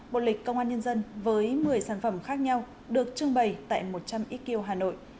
bộ lịch công an nhân dân với một mươi sản phẩm khác nhau được trưng bày tại một trăm linh xq hà nội